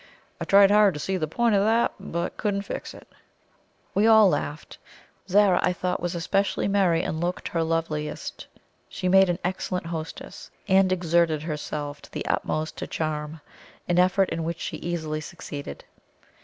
I tried hard to see the point of that, but couldn't fix it." We all laughed. Zara, I thought, was especially merry, and looked her loveliest. She made an excellent hostess, and exerted herself to the utmost to charm an effort in which she easily succeeded.